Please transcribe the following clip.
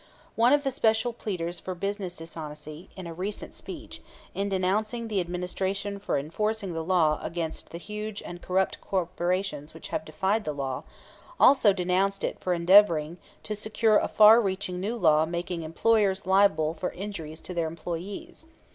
One of the special pleaders for business dishonesty, in a recent speech, in denouncing the Administration for enforcing the law against the huge and corrupt corporations which have defied the law, also denounced it for endeavoring to secure a far reaching law making employers liable for injuries to their employees.